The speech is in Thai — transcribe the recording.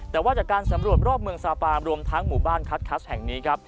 แต่ว่าจากการสำรวจรอบเมืองซาปามรวมทั้งหมู่บ้านคัทคัสแห่งนี้ครับ